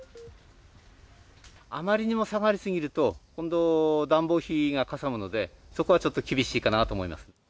あまりにも下がりすぎると、今度、暖房費がかさむので、そこはちょっと厳しいかなと思います。